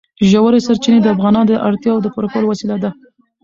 ژورې سرچینې د افغانانو د اړتیاوو د پوره کولو وسیله ده.